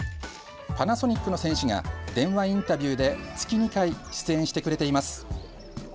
パナソニックの選手が電話インタビューで月２回、出演してくれています。